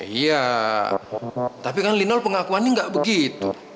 iya tapi kan linol pengakuannya nggak begitu